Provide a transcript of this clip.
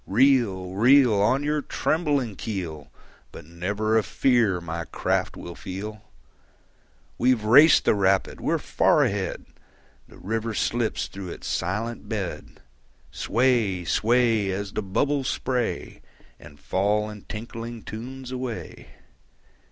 Reel, reel. On your trembling keel, But never a fear my craft will feel. We've raced the rapid, we're far ahead! The river slips through its silent bed. Sway, sway, As the bubbles spray And fall in tinkling tunes away.